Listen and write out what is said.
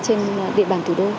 trên địa bàn thủ đô